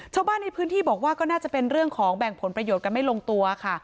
ชาวบ้านในพื้นที่บอกว่าก็น่าจะเป็นเรื่องของแบ่งผลประโยชน์กันไม่ลงตัวค่ะ